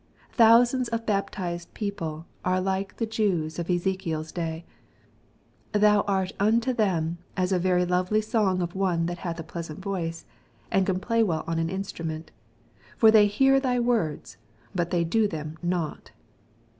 Thousands of baptized people are like the Jews of Ezekiel's day :" Thou art unto them as a very lovely song of one that hath a pleasant voice, and can play well on an instrument : for they hear thy words, but they do them not."